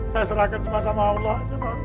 saya serahkan semua sama allah